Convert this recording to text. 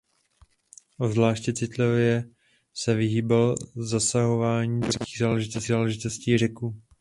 Obzvláště citlivě se vyhýbal zasahování do náboženských záležitostí Řeků.